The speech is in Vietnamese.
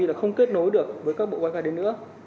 là không kết nối được với các bộ wifi đấy nữa